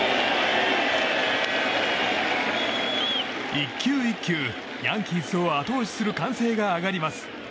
１球１球ヤンキースを後押しする歓声が上がります。